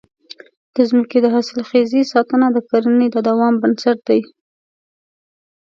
د ځمکې د حاصلخېزۍ ساتنه د کرنې د دوام بنسټ دی.